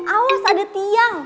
awas ada tiang